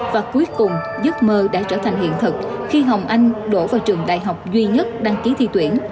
và cuối cùng giấc mơ đã trở thành hiện thực khi hồng anh đổ vào trường đại học duy nhất đăng ký thi tuyển